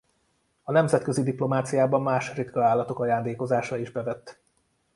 A nemzetközi diplomáciában más ritka állatok ajándékozása is bevett.